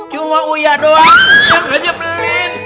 cuma uya doang yang gak nyebelin